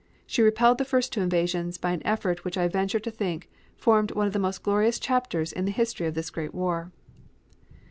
She repelled the first two invasions by an effort which I venture to think formed one of the most glorious chapters in the history of this Great War."